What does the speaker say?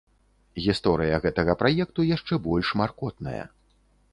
Гісторыя гэтага праекту яшчэ больш маркотная.